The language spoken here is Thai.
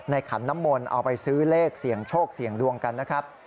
ขันน้ำมนต์เอาไปซื้อเลขเสี่ยงโชคเสี่ยงดวงกันนะครับ